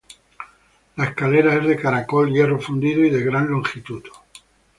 La escalera es de caracol, hierro fundido y de gran longitud.